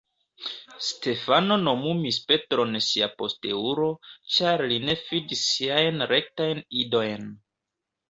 Stefano nomumis Petron sia posteulo, ĉar li ne fidis siajn rektajn idojn.